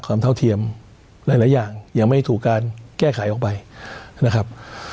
เท่าเทียมหลายอย่างยังไม่ถูกการแก้ไขออกไปนะครับ